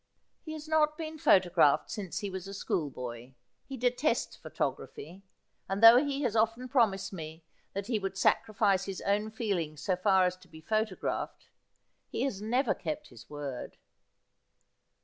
' He has not been photographed since he was a school boy. He detests photography ; and though he has often promised me that he would sacrifice his own feelings so far as to be photo graphed, he has never kept his word.'